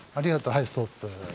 はいストップ。